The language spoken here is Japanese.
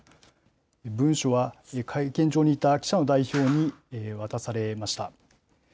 文書は、会見場にいた記者の代表に渡されました。